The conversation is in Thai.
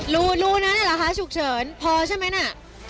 รูนั้นเหรอคะฉุกเฉินพอใช่ไหมน่ะ